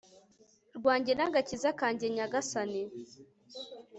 rwanjye n'agakiza kanjye, nyagasani